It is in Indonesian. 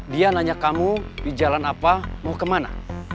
dia nanya kamu di jalan apa mau kemana